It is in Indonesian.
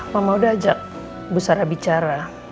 mama udah ajak bu sarah bicara